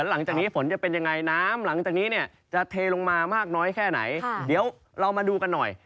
หลังจากนี้ฝนจะเป็นยังไงน้ำหลังจากนี้เนี่ยจะเทลงมามากน้อยแค่ไหนเดี๋ยวเรามาดูกันหน่อย